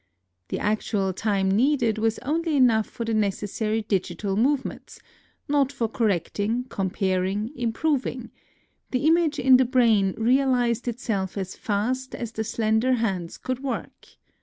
The actual time needed was only enough for the necessary digital move ments, — not for correcting, comparing, im proving : the image in the brain realized itself as fast as the slender hands could work.